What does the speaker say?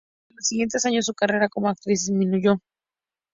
Durante los siguientes años, su carrera como actriz disminuyó.